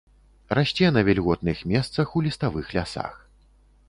Расце на вільготных месцах у ліставых лясах.